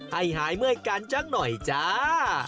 ให้หายเมื่อยกันจังหน่อยจ้า